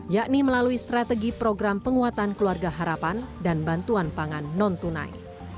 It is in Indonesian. yakni melalui strategi program penguatan keluarga harapan dan bantuan pangan non tunai